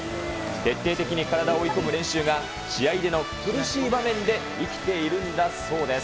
徹底的に体を追い込む練習が、試合での苦しい場面で生きているんだそうです。